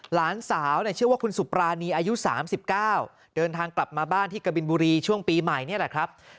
หลานสาวชื่อว่าคุณสุปรานีอายุ๓๙เดินทางกลับมาบ้านที่กบินบุรีช่วงปีใหม่นี่แหละครับ